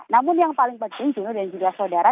namun yang paling penting juni dan juga saudara